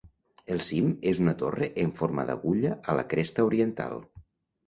El cim és una torre en forma d'agulla a la cresta oriental.